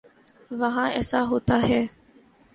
وہاں ایسا ہوتا ہے۔